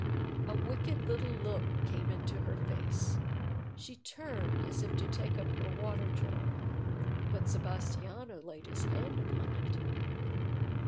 A wicked little look came into her face. She turned as if to take up her water jar. But Sebastiano laid his hand upon it.